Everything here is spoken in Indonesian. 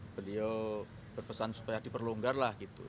beliau berpesan supaya diperlonggar lah gitu